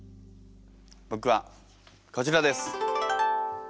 僕はこちらです。